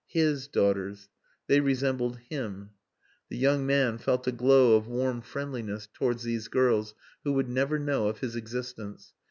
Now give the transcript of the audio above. "His" daughters. They resembled "Him." The young man felt a glow of warm friendliness towards these girls who would never know of his existence.